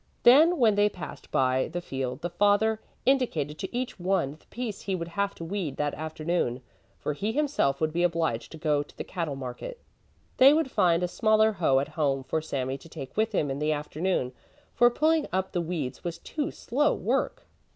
Then when they passed by the field the father indicated to each one the piece he would have to weed that afternoon; for he himself would be obliged to go to the cattle market. They would find a smaller hoe at home for Sami to take with him in the afternoon, for pulling up the weeds was too slow work.